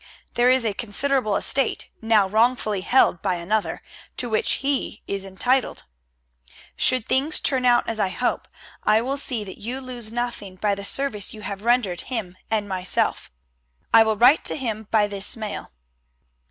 There is a considerable estate, now wrongfully held by another, to which he is entitled. Should things turn out as I hope, I will see that you lose nothing by the service you have rendered him and myself. I will write to him by this mail.